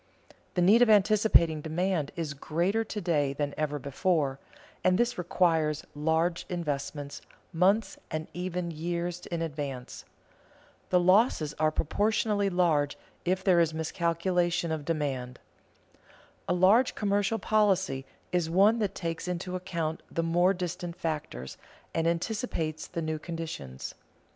The need of anticipating demand is greater to day than ever before, and this requires large investments months and even years in advance. The losses are proportionally large if there is miscalculation of demand. A large commercial policy is one that takes into account the more distant factors, and anticipates the new conditions.